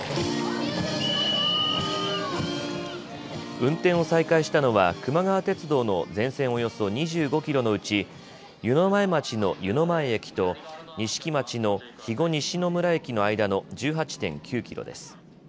運転を再開したのはくま川鉄道の全線およそ２５キロのうち湯前町の湯前駅と錦町の肥後西村駅の間の１８．９キロです。